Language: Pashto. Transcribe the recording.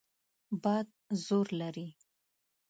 باد زور لري.